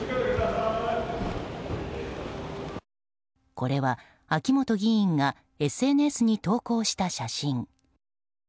これは、秋本議員がＳＮＳに投稿した写真。